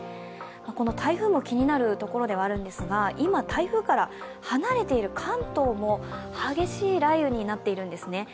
この台風も気になるところではあるんですが、今、台風から離れている関東も激しい雷雨になっているんですね。